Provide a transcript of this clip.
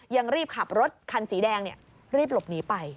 ยังรีบขับรถคันสีแดงรีบหลบหนีไป